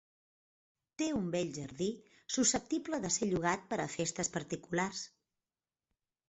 Té un bell jardí susceptible de ser llogat per a festes particulars.